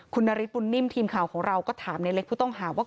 คุณนาริสบุญนิ่มทีมข่าวของเราก็ถามในเล็กผู้ต้องหาว่า